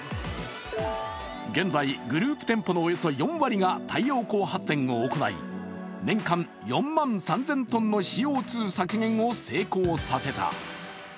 現在、グループ店舗のおよそ４割が太陽発電を行い、年間４万３０００ｔのＣＯ２削減を成功させた。